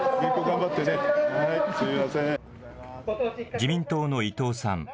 自民党の伊藤さん。